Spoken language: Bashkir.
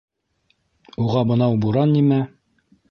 Уға бынау буран нимә?